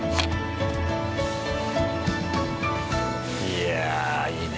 いやいいね。